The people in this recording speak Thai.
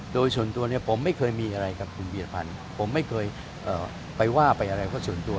โดยส่วนตัวเนี่ยผมไม่เคยมีอะไรกับคุณบีรพันธ์ผมไม่เคยไปว่าไปอะไรเพราะส่วนตัว